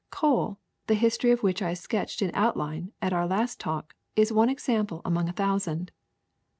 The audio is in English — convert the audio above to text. Coal, the history of which I sketched in outline at our last talk, is one example among a thousand.''